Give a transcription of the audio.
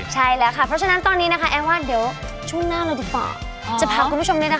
ใช่แล้วนายไงในวันนี้ก็เรามีกว่าขอบคุณพี่หมอโจ้งมากนะคะ